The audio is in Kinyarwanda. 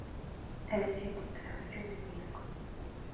ari cyo gitabo cy’ubugingo.